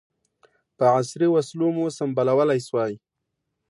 په عصري وسلو مو سمبالولای سوای.